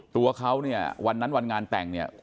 ตัวเขาเนี่ยวันนั้นวันงานแต่งเนี่ย